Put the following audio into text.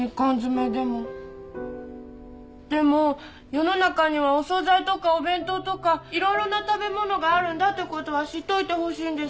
でも世の中にはお総菜とかお弁当とかいろいろな食べ物があるんだってことは知っといてほしいんです。